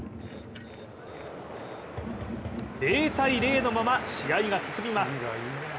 ０−０のまま試合が進みます。